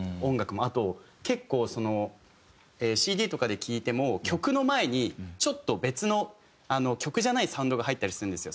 あと結構ＣＤとかで聴いても曲の前にちょっと別の曲じゃないサウンドが入ったりするんですよ。